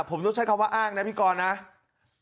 ไปฟังฝ่ายชายกันบ้างครับคุณผู้ชม